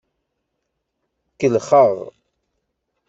Kellxeɣ.